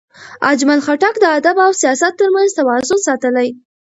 اجمل خټک د ادب او سیاست ترمنځ توازن ساتلی.